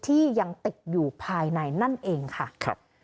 ที่ยังติดอยู่ภายในนั่นเองค่ะ